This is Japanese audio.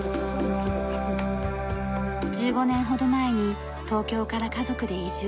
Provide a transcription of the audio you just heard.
１５年ほど前に東京から家族で移住。